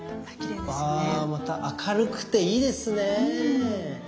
あまた明るくていいですね。